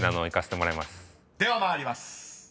［では参ります］